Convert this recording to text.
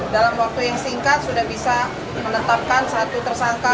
dalam waktu yang singkat sudah bisa menetapkan satu tersangka